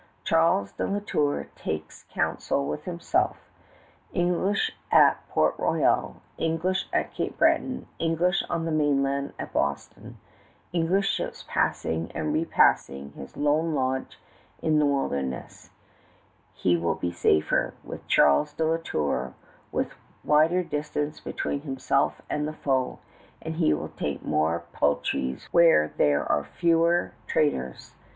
Charles de La Tour takes counsel with himself. English at Port Royal, English at Cape Breton, English on the mainland at Boston, English ships passing and repassing his lone lodge in the wilderness, he will be safer, will Charles de La Tour, with wider distance between himself and the foe; and he will take more peltries where there are fewer traders.